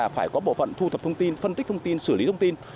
phải có bộ phận thu thập thông tin phân tích thông tin xử lý thông tin